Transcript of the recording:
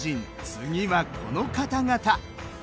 次はこの方々。